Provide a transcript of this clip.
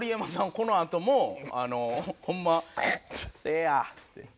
このあともホンマ「せいや」っつって。